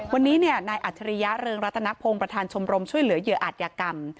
วันนี้นายอัจฉริยะเริงรัตนพงศ์ประธานชมรมช่วยเหลือเหยื่ออาจยากรรม